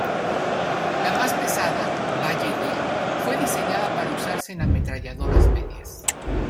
La más pesada Balle D fue diseñada para usarse en ametralladoras medias.